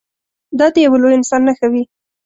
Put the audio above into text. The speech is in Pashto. دا د یوه لوی انسان نښه وي.